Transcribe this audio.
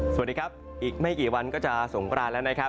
สวัสดีครับอีกไม่กี่วันก็จะสงกรานแล้วนะครับ